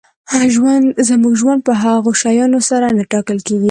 زموږ ژوند په هغو شیانو سره نه ټاکل کېږي.